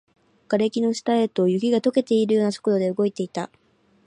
瓦礫の下へと、雪が溶けるような速度で動いていた